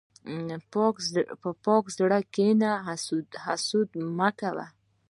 په پاک زړه کښېنه، حسد مه کوه.